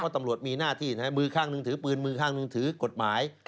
ตำรวจมีหน้าที่มือข้างหนึ่งถือปืนมือข้างหนึ่งถือกฎหมาย